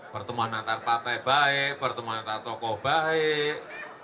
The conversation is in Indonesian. pertemuan antar partai baik pertemuan antar tokoh baik